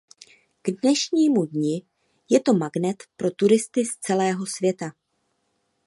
K dnešnímu dni je to magnet pro turisty z celého světa.